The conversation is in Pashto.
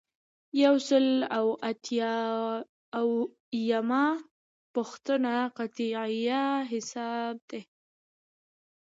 یو سل او اته اویایمه پوښتنه قطعیه حساب دی.